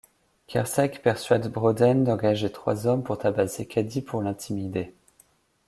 Kersek persuade Bowden d'engager trois hommes pour tabasser Cady pour l'intimider.